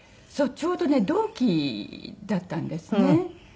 ちょうどね同期だったんですね。